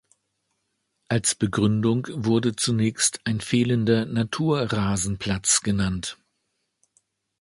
Als Begründung wurde zunächst ein fehlender Naturrasenplatz genannt.